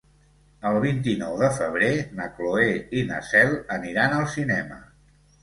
El vint-i-nou de febrer na Cloè i na Cel aniran al cinema.